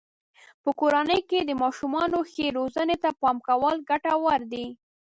په کورنۍ کې د ماشومانو ښې روزنې ته پام کول ګټور دی.